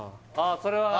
それはあ